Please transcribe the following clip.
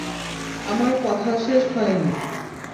আমার কথা শেষ হয়নি।